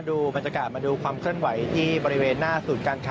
ดูบรรยากาศมาดูความเคลื่อนไหวที่บริเวณหน้าศูนย์การค้า